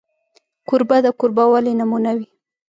کوربه د کوربهوالي نمونه وي.